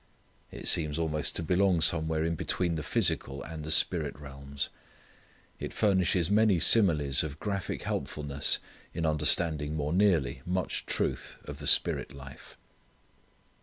It seems almost to belong somewhere in between the physical and spirit realms. It furnishes many similes of graphic helpfulness in understanding more nearly much truth of the Spirit life.